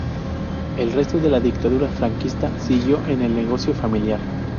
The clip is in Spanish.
El resto de la dictadura franquista siguió en el negocio familiar.